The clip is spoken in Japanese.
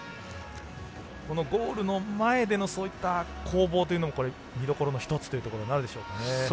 ゴールの前でのそういった攻防というのも見どころの１つということになるでしょうかね。